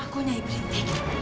aku nyai berhenti